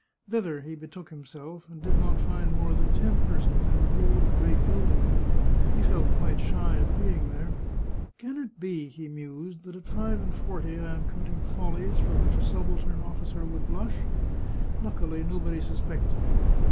Thither he betook himself, and did not find more than ten persons in the whole of the great building. He felt quite shy at being there. " Can it be ?" he mused, " that at five and forty I am committing follies for which a subaltern officer would blush? Luckily nobody suspects it."